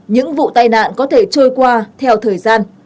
những vụ tai nạn có thể trôi qua theo thời gian